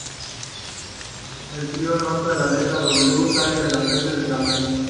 El trío nota la letra "W" tallada en la frente del caminante.